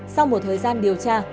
sau một thời gian điều tra